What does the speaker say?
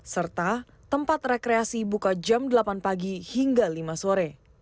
serta tempat rekreasi buka jam delapan pagi hingga lima sore